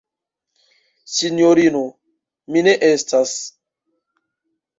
Sinjorino, mi ne estas.